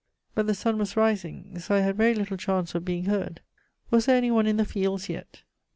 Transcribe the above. But the sun was rising, so I had very little chance of being heard. Was there any one in the fields yet?